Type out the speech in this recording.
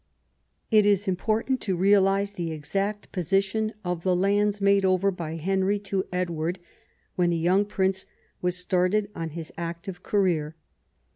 It is important to realise the exact position of the lands made over by Henry to Edward when the young prince was started on his active career.